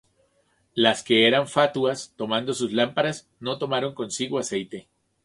Las que eran fatuas, tomando sus lámparas, no tomaron consigo aceite;